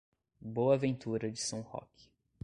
Boa Ventura de São Roque